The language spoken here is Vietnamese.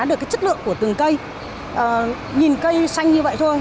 và cái chất lượng của từng cây nhìn cây xanh như vậy thôi